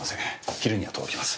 昼には届きます。